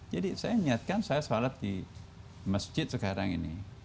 jadi saya ingatkan saya sholat di masjid sekarang ini